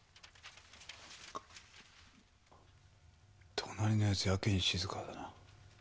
隣のやつやけに静かだな。